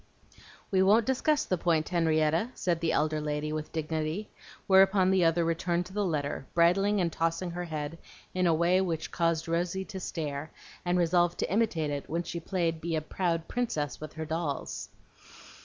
"We won't discuss the point, Henrietta," said the elder lady with dignity; whereupon the other returned to the letter, bridling and tossing her head in a way which caused Rosy to stare, and resolve to imitate it when she played being a proud princess with her dolls.